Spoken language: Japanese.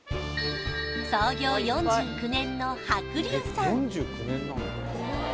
創業４９年の白龍さん